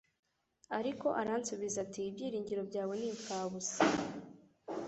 Ariko aransubiza ati Ibyiringiro byawe ni impfabusa